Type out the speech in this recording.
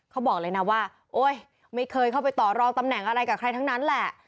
เขาบอกเลยนะว่าโอ๊ยไม่เคยเข้าไปต่อรองตำแหน่งอะไรกับใครทั้งนั้นแหละ